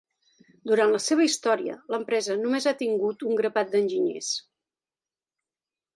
Durant la seva història, l'empresa només ha tingut un grapat d'enginyers.